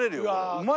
うまい。